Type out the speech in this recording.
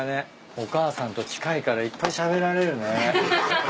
お母さんと近いからいっぱいしゃべられるね。